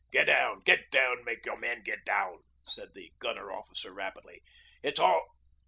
'Get down! get down! Make your men get down,' said the gunner officer rapidly. 'It's all